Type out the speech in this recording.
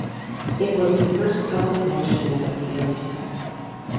It was the first public mentioning of the incident.